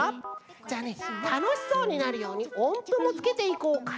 じゃあねたのしそうになるようにおんぷもつけていこうかな。